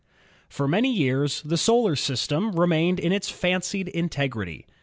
For many years the solar system remained in its fancied integrity.